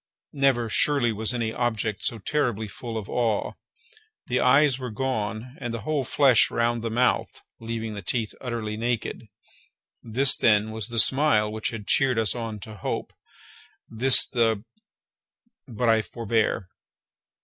Never, surely, was any object so terribly full of awe! The eyes were gone, and the whole flesh around the mouth, leaving the teeth utterly naked. This, then, was the smile which had cheered us on to hope! this the—but I forbear.